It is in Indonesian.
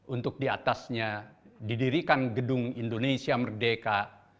untuk diatasnya didirikan gedung indonesia merdeka